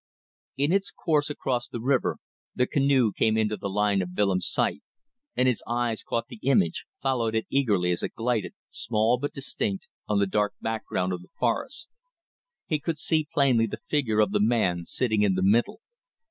In its course across the river the canoe came into the line of Willems' sight and his eyes caught the image, followed it eagerly as it glided, small but distinct, on the dark background of the forest. He could see plainly the figure of the man sitting in the middle.